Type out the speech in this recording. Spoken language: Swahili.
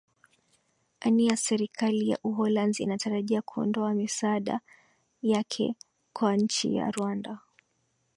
ania serikali ya uholanzi inatarajia kuondoa misaada yake kwa nchi ya rwanda